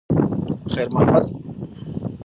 خیر محمد په خپله پخوانۍ صافه باندې د موټر ډشبورډ پاکوي.